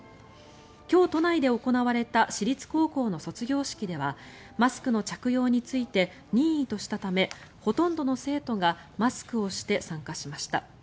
今日、都内で行われた私立高校の卒業式ではマスクの着用について任意としたためほとんどの生徒がマスクをして参加しました。